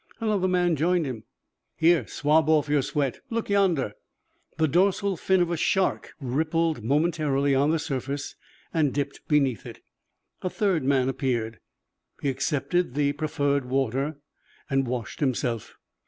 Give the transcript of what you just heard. Another man joined him. "Here. Swab off your sweat. Look yonder." The dorsal fin of a shark rippled momentarily on the surface and dipped beneath it. A third man appeared. He accepted the proffered water and washed himself.